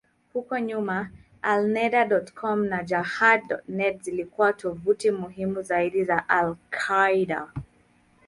Huko nyuma, Alneda.com na Jehad.net zilikuwa tovuti muhimu zaidi za al-Qaeda.